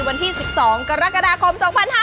วันที่๑๒กรกฎาคม๒๕๕๙